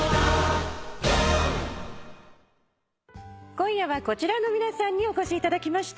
今夜はこちらの皆さんにお越しいただきました。